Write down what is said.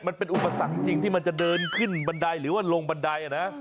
มันเป็นอุปสรรคจริงที่มันจะเดินขึ้นบันไดหรือว่าลงบันไดนะ